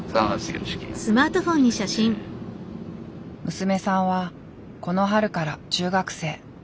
娘さんはこの春から中学生。